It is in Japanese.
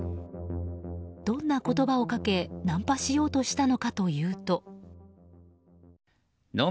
どんな言葉をかけナンパしようとしたのかというと。